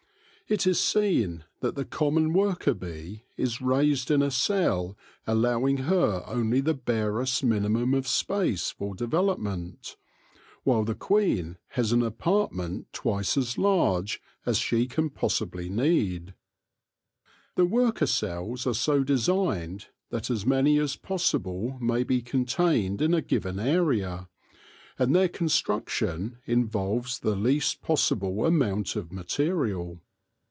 It is seen that the common worker bee is raised in a cell allow ing her only the barest minimum of space for develop ment, while the queen has an apartment twice as large as she can possibly need. The worker cells are so designed that as many as possible may be contained in a given area, and their construction involves the least possible amount of material.